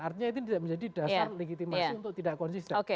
artinya itu tidak menjadi dasar legitimasi untuk tidak konsisten